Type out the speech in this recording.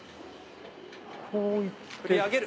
「振り上げる。